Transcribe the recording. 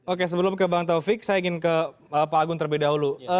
oke sebelum ke bang taufik saya ingin ke pak agun terlebih dahulu